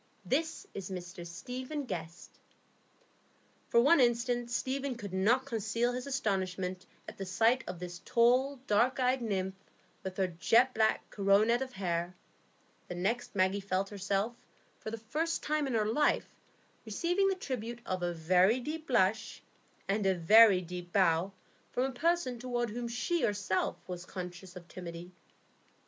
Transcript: "This is Mr Stephen Guest." For one instant Stephen could not conceal his astonishment at the sight of this tall, dark eyed nymph with her jet black coronet of hair; the next, Maggie felt herself, for the first time in her life, receiving the tribute of a very deep blush and a very deep bow from a person toward whom she herself was conscious of timidity.